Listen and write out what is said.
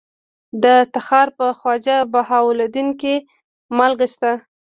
د تخار په خواجه بهاوالدین کې مالګه شته.